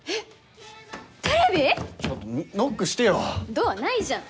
ドアないじゃん。